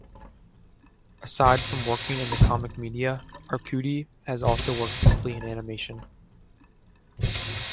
Aside from working in the comic media, Arcudi has also worked briefly in animation.